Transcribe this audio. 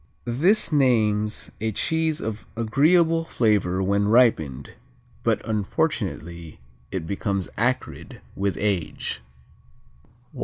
This names a cheese of agreeable flavor when ripened, but, unfortunately, it becomes acrid with age.